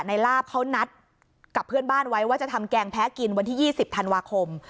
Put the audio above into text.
ลาบเขานัดกับเพื่อนบ้านไว้ว่าจะทำแกงแพ้กินวันที่๒๐ธันวาคม